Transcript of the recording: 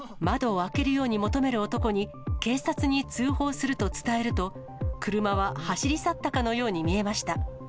窓を開けるように求める男に、警察に通報すると伝えると、車は走り去ったかのように見えました。